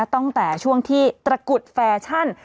ตั้งแต่ช่วงที่ตระกุดแฟชั่น